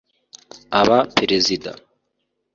aba Perezida